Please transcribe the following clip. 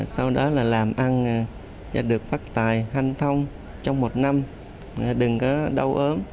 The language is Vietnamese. sau đó là làm ăn được phát tài hành thông trong một năm đừng có đau ớm